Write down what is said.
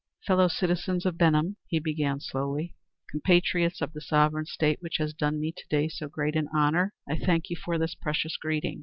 "Fellow citizens of Benham," he began, slowly, "compatriots of the sovereign State which has done me to day so great an honor, I thank you for this precious greeting.